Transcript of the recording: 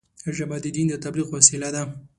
ژبه د دین د تبلیغ وسیله ده